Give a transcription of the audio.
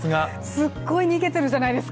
すごい逃げているじゃないですか。